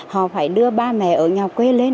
họ phải đưa ba mẹ ở nhà quê lên